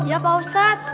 iya pak ustadz